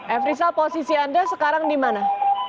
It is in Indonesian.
efrisal posisi anda sekarang di mana